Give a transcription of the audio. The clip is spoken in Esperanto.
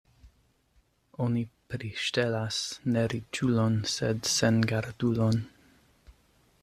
Oni priŝtelas ne riĉulon, sed sengardulon.